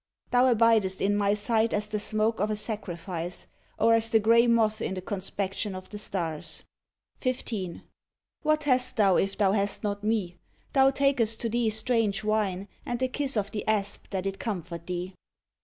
Thou abidest in My sight as the smoke of a sacrifice, or as the grey moth in the conspection of the stars. 15. What hast thou if thou hast not Me? Thou takest to thee strange wine, and the kiss of the asp that it comfort thee.